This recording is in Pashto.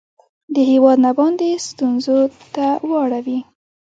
د هیواد نه باندې ستونځو ته واړوي